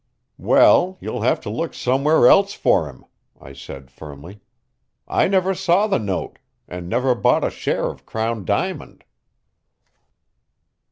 "Well, you'll have to look somewhere else for him," I said firmly. "I never saw the note, and never bought a share of Crown Diamond."